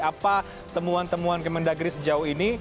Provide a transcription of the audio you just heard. apa temuan temuan kemendagri sejauh ini